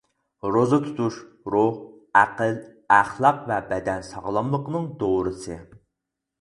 روزا تۇتۇش روھ، ئەقىل، ئەخلاق ۋە بەدەن ساغلاملىقنىڭ دورىسى.